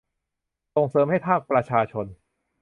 ส่งเสริมให้ภาคประชาชน